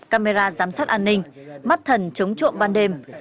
camera giám sát an ninh mắt thần chống trộm ban đêm